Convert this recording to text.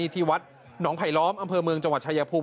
ที่วัดหนองไผลล้อมอำเภอเมืองจังหวัดชายภูมิ